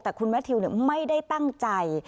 แต่คุณแมททิวไม่ได้ตั้งใจ